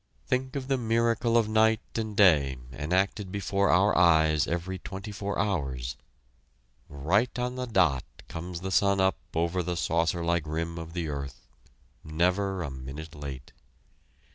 Think of the miracle of night and day enacted before our eyes every twenty four hours. Right on the dot comes the sun up over the saucer like rim of the earth, never a minute late.